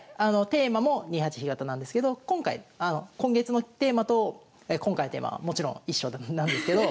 テーマも２八飛型なんですけど今月のテーマと今回のテーマはもちろん一緒なんですけど。